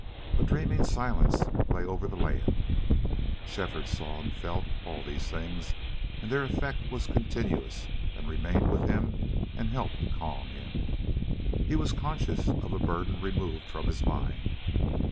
A dreaming silence lay over the land. Shefford saw and felt all these things, and their effect was continuous and remained with him and helped calm him. He was conscious of a burden removed from his mind.